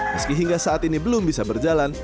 meski hingga saat ini belum bisa berjalan